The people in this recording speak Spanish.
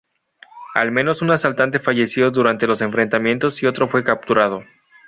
Al menos un asaltante falleció durante los enfrentamientos y otro fue capturado.